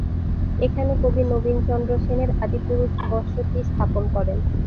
এখানে কবি নবীন চন্দ্র সেনের আদি পুরুষ বসতি স্থাপন করেন।